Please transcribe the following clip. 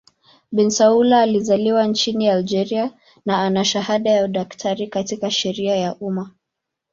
Bensaoula alizaliwa nchini Algeria na ana shahada ya udaktari katika sheria ya umma.